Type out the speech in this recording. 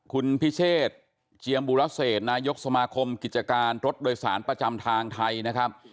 คุณพิเชษเจียมบุรเศษนายกสมาคมกิจการรถโดยสารประจำทางไทยนะครับ